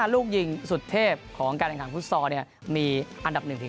ลูกยิงสุดเทพของการแข่งขันฟุตซอลมีอันดับ๑๒